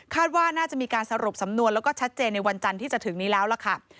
ว่าน่าจะมีการสรุปสำนวนแล้วก็ชัดเจนในวันจันทร์ที่จะถึงนี้แล้วล่ะค่ะ